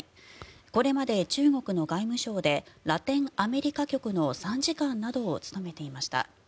これまで中国の外務省でラテン・アメリカ局の参事官などを務めていました。